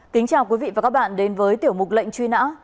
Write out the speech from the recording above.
kính chào quý vị và các bạn đến với tiểu mục lệnh truy nã